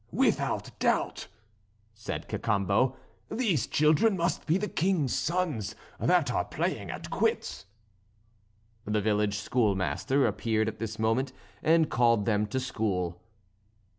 "Without doubt," said Cacambo, "these children must be the king's sons that are playing at quoits!" The village schoolmaster appeared at this moment and called them to school.